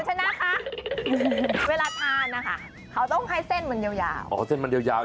คุณเชนะค่ะเวลาทานนะคะเขาต้องให้เส้นมันยาว